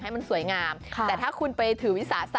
ไอ้ลาบบิ๊ดเดี๋ยวเมื่อกี้